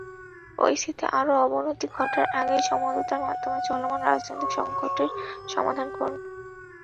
পরিস্থিতি আরও অবনতি ঘটার আগেই সমঝোতার মাধ্যমে চলমান রাজনৈতিক সংকটের সমাধান করুন।